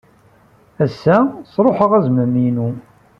Ass-a, sṛuḥeɣ azmam-inu.